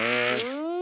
うん！